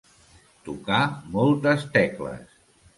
Tocar moltes tecles.